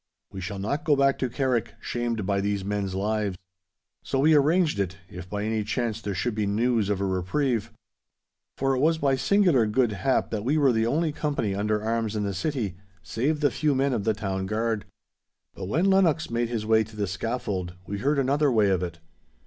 We shall not go back to Carrick, shamed by these men's lives.' So we arranged it, if by any chance there should be news of a reprieve. For it was by singular good hap that we were the only company under arms in the city, save the few men of the Town Guard. But when Lennox made his way to the scaffold, we heard another way of it.